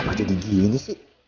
kenapa jadi gini sih